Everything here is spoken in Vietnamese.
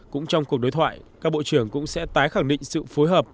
cũng trong cuộc đối thoại các bộ trưởng cũng sẽ tái khẳng định sự phối hợp